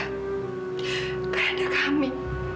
tidak ada kami